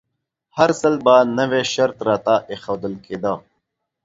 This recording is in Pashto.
هر ځل به نوی شرط راته ایښودل کیده.